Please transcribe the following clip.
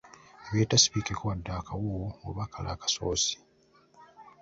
Yabireeta si bibikekko wadde akawuuwo oba kale akasoosi.